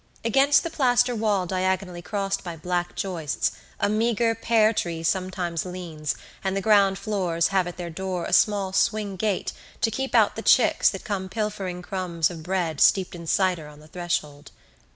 Against the plaster wall diagonally crossed by black joists, a meagre pear tree sometimes leans and the ground floors have at their door a small swing gate to keep out the chicks that come pilfering crumbs of bread steeped in cider on the threshold.